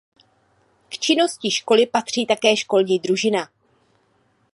K činnosti školy patří také školní družina.